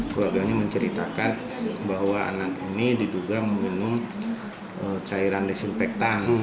keluarganya menceritakan bahwa anak ini diduga meminum cairan desinfektan